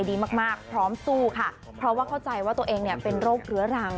พี่เมกก็เลยเข้าใจว่าตัวเองเป็นโรคเหลือลัง